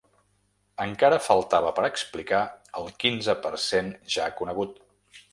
Encara faltava per explicar el quinze per cent ja conegut.